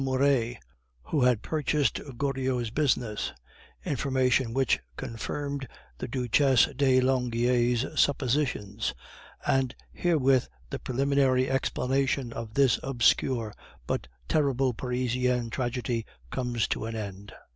Muret who had purchased Goriot's business, information which confirmed the Duchesse de Langeais' suppositions, and herewith the preliminary explanation of this obscure but terrible Parisian tragedy comes to an end.